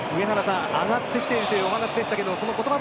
上ってきているというお話でしたけど。